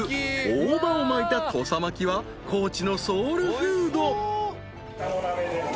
大葉を巻いた土佐巻きは高知のソウルフード］